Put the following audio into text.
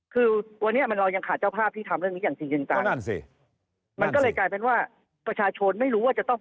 คือวันนี้มันลอยังขาดเจ้าภาพที่ทำเรื่องนี้อ่ะจริงจัง